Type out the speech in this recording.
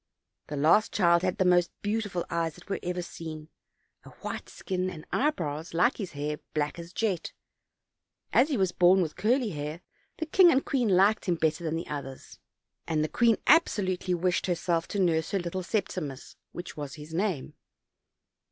The last child had the most beautiful eyes that were ever seen, a white skin, and eye brows, like his hair, black as jet; as he was born with curly hair the king and queen liked him better than the others, and the queen absolutely wished herself to nurse her little Septimus, which was his name.